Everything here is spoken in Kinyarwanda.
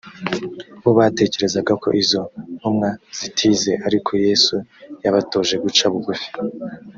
bo batekerezaga ko izo ntumwa zitize ariko yesu yabatoje guca bugufi